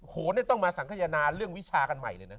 โหนี่ต้องมาสังขยนาเรื่องวิชากันใหม่เลยนะ